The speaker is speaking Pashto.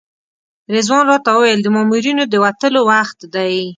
رضوان راته وویل د مامورینو د وتلو وخت دی.